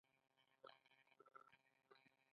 ایا ستاسو امانتونه ساتل شوي نه دي؟